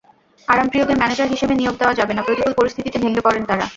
আরামপ্রিয়দের manager হিসেবে নিয়োগ দেওয়া যাবে না, প্রতিকূল পরিস্থিতিতে ভেঙে পড়েন তাঁরা।